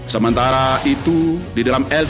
sementara itu di dalam lp